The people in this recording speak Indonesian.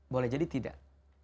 boleh jadi tidak